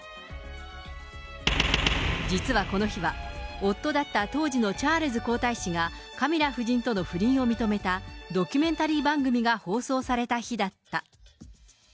実はこの日は、夫だった当時のチャールズ皇太子がカミラ夫人との不倫を認めたドキュメンタリー番組が放送された日だった。